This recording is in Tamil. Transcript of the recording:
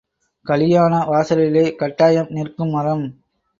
கலியாண வாசலிலே கட்டாயம் நிற்கும் மரம்!